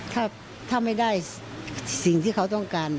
ถ้าไม่ได้สิ่งที่เขาต้องการ